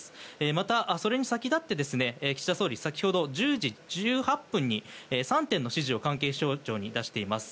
また、それに先立って岸田総理は先ほど１０時１８分に３点の指示を関係省庁に出しています。